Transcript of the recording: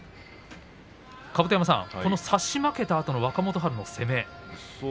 甲山さん、差し負けたあとの若元春の攻め。